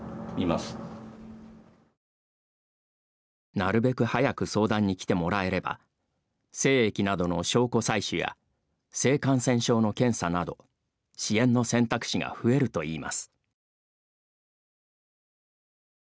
なるべく早く相談に来てもらえれば精液などの証拠採取や性感染症の検査など支援の選択肢が増えるといいます。